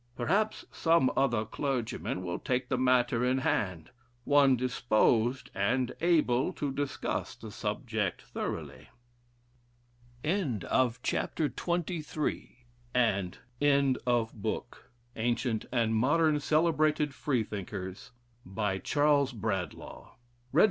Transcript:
Perhaps some other clergyman will take the matter in hand one disposed and able to discuss the subject thoroughly." End of the Project Gutenberg EBook of Ancient and Modern Celebrated Freethinkers, by Charles Bradlaugh, A. Collins, and J.